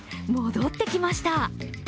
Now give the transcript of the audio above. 戻ってきました。